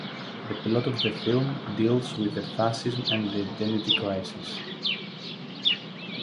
The plot of the film deals with the fascism and the identity crisis.